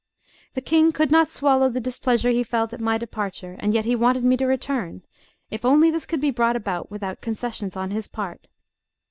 The King could not swallow the displeasure he felt at my departure; and yet he wanted me to return, if only this could be brought about without concessions on his part.